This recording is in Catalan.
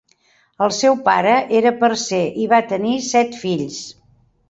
El seu pare era parcer i va tenir set fills.